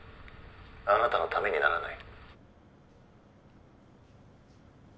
あなたのためにならない」